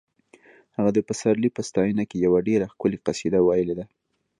هغه د پسرلي په ستاینه کې یوه ډېره ښکلې قصیده ویلې ده